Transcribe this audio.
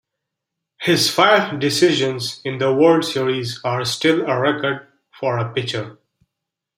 His five decisions in the World Series are still a record for a pitcher.